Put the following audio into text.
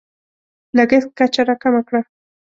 لګښت کچه راکمه کړه.